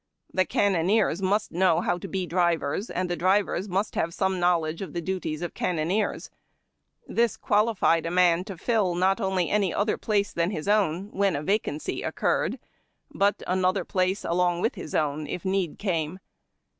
The cannoneers must know how to be drivers, and the drivers must have some knowledge of the duties of cannoneers. This qualified a man to fill not only any other place than his own when a vacancy occurred, but another place tvith his own if need came.